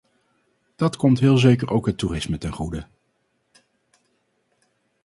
Dat komt heel zeker ook het toerisme ten goede.